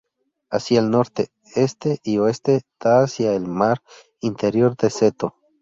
Hacia el norte, este y oeste da hacia el Mar Interior de Seto.